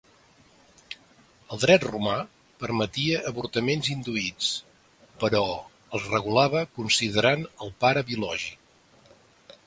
El dret romà permetia avortaments induïts, però els regulava considerant el pare biològic.